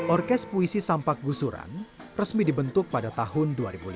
orkes puisi sampak gusuran resmi dibentuk pada tahun dua ribu lima belas